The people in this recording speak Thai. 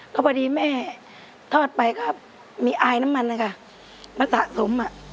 ก็พอดีแม่ทอดไปก็มีอายน้ำมันนะคะมาสะสม